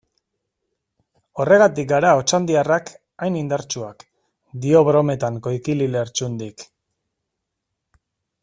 Horregatik gara otxandiarrak hain indartsuak, dio brometan Koikili Lertxundik.